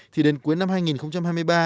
thì đến cuối năm hai nghìn hai mươi ba